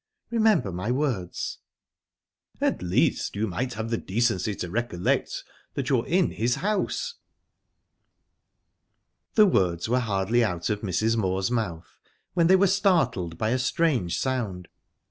Remember my words." "At least you might have the decency to recollect that you're in his house." The words were hardly out of Mrs. Moor's mouth when they were startled by a strange sound.